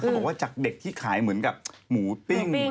บอกว่าจากเด็กที่ขายเหมือนกับหมูปิ้ง